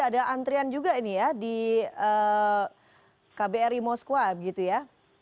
ada antrian juga ini ya di kbri moskwa gitu ya